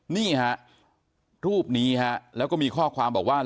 นี่ฮะรูปนี้ฮะแล้วก็มีข้อความบอกว่า